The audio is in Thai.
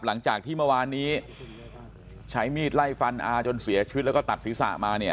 หลังจากที่เมื่อวานนี้ใช้มีดไล่ฟันอาจนเสียชีวิตแล้วก็ตัดศีรษะมาเนี่ย